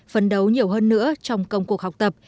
phấn đấu nhiều hơn nữa trong công cuộc học tập